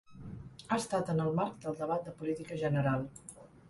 Ha estat en el marc del debat de política general.